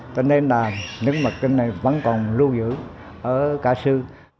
cho nên là những bộ kinh này vẫn còn lưu giữ ở cả sư